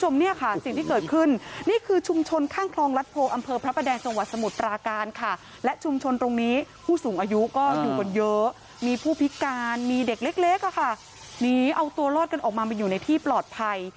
มีเด็กเล็กอะค่ะนี่เอาตัวรอดกันออกมามาอยู่ในที่ปลอดภัย